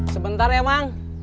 sebentar ya mang